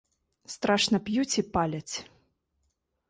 Страшна п'юць і паляць.